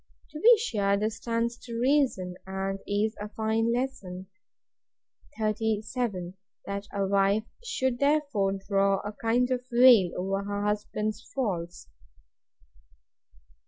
To be sure this stands to reason, and is a fine lesson. 37. That a wife should therefore draw a kind veil over her husband's faults.